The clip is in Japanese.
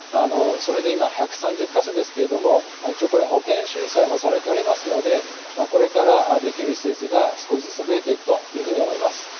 それで今１３０か所ですけれども一応これ保険収載もされておりますのでこれからできる施設が少しずつ増えていくというふうに思います。